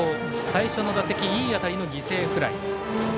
最初の打席いい当たりの犠牲フライ。